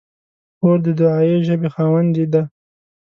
خور د دعایي ژبې خاوندې ده.